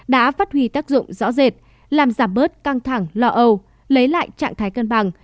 đã phát huy tác dụng rõ rệt làm giảm bớt căng thẳng lỡ âu lấy lại trạng thái cân bằng